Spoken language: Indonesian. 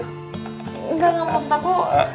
engga enggak maksud aku